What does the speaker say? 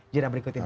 jidah berikut ini